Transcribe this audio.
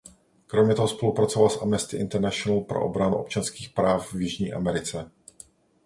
Kromě toho spolupracoval s Amnesty International pro obranu občanských práv v Jižní Americe.